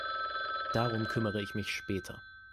Darum kümmere ich mich später.